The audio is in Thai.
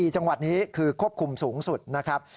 ๔จังหวัดนี้คือควบคุมสูงสุดนะครับ